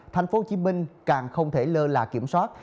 thành phố hồ chí minh càng không thể lơ là kiểm soát